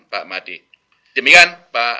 pak madi demikian pak